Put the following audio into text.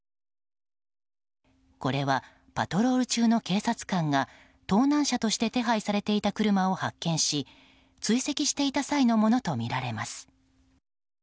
これは、パトロール中の警察官が盗難車として手配されていた車を発見し追跡していた際のものとみられます。